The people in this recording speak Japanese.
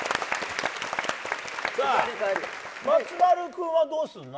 松丸君はどうするの？